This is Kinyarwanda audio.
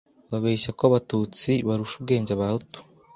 Babeshya ko abatutsi barusha ubwenge abahutu,